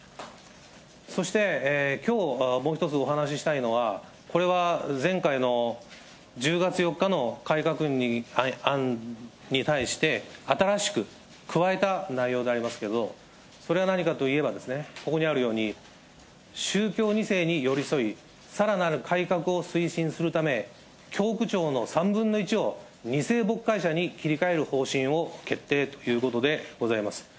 そして、きょう、もう一つお話したいのは、これは前回の１０月４日の改革案に対して、新しく加えた内容でありますけど、それは何かといえば、ここにあるように、宗教２世に寄り添い、さらなる改革を推進するため、教区長の３分の１を２世牧会者に切り替える方針を決定ということでございます。